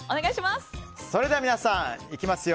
それでは皆さん、いきますよ。